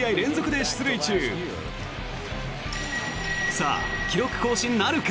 さあ、記録更新なるか。